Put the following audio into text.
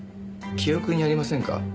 記憶にありませんか？